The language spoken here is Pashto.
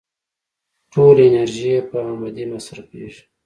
ټوله انرژي يې په امدې مصرفېږي.